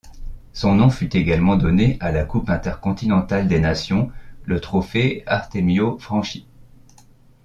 Son nom fut également donné à la Coupe Intercontinentale des Nations, le Trophée Artemio-Franchi.